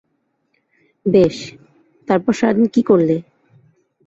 বেশ, তারপর সারাদিন কী করলে?